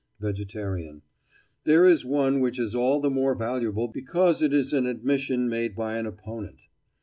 VEGETARIAN: There is one which is all the more valuable because it is an admission made by an opponent.